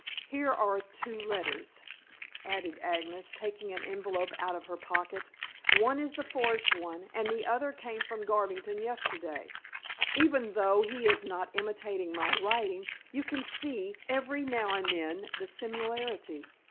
Here are two letters," added Agnes, taking an envelope out of her pocket. "One is the forged one, and the other came from Garvington yesterday. Even though he is not imitating my writing, you can see every now and then the similarity.